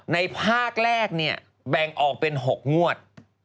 ในภาคแรกแบ่งออกเป็น๖งวด